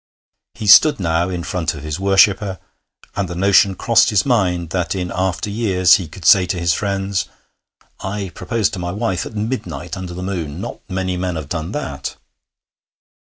He stood now in front of his worshipper, and the notion crossed his mind that in after years he could say to his friends: 'I proposed to my wife at midnight under the moon. Not many men have done that.'